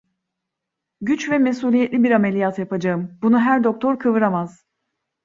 Güç ve mesuliyetli bir ameliyat yapacağım. Bunu her doktor kıvıramaz.